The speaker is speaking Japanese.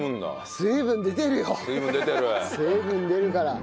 水分出るから。